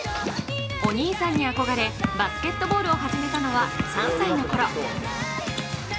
お兄さんに憧れ、バスケットボールを始めたのは３歳のころ。